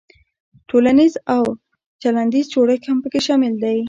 تولنیز او چلندیز جوړښت هم پکې شامل دی.